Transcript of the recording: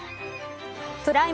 プライム